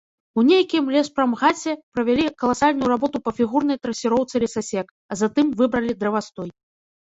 У нейкім леспрамгасе правялі каласальную работу па фігурнай трасіроўцы лесасек, а затым выбралі дрэвастой.